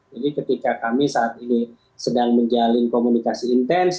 jadi ketika kami saat ini sedang menjalin komunikasi intensi